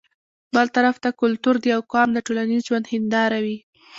بل طرف ته کلتور د يو قام د ټولنيز ژوند هنداره وي